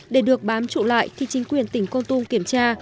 để được bám trụ lại thì chính quyền tỉnh con tum kiểm tra